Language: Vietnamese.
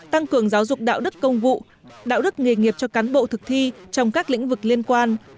tăng cường giáo dục đạo đức công vụ đạo đức nghề nghiệp cho cán bộ thực thi trong các lĩnh vực liên quan